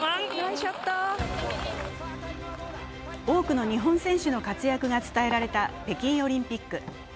多くの日本選手の活躍が伝えられた北京オリンピック。